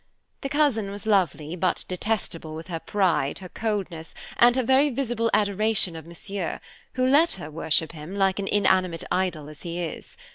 The cousin was lovely, but detestable with her pride, her coldness, and her very visible adoration of Monsieur, who let her worship him, like an inanimate idol as he is.